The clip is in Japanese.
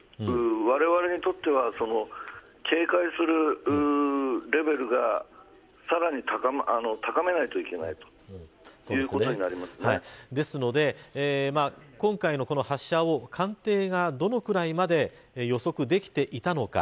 われわれにとっては警戒するレベルがさらに高めないといけないとですので、今回の発射を官邸が、どのくらいまで予測できていたのか。